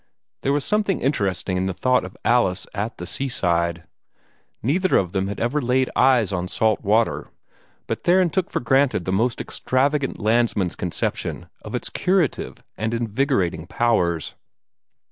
There was something interesting in the thought of Alice at the seaside. Neither of them had ever laid eyes on salt water, but Theron took for granted the most extravagant landsman's conception of its curative and invigorating powers.